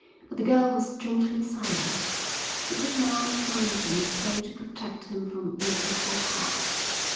But the girl was strangely silent. She put her arms round him as though to protect him from invisible harm.